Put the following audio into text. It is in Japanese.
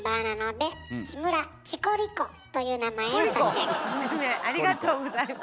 命名ありがとうございます。